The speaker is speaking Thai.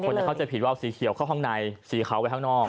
จะเข้าใจผิดว่าเอาสีเขียวเข้าข้างในสีขาวไว้ข้างนอก